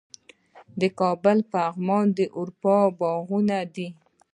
د کابل پغمان د اروپا باغونه دي